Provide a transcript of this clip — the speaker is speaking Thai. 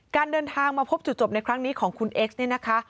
เดินทางมาพบจุดจบในครั้งนี้ของคุณเอ็กซ์เนี่ยนะคะ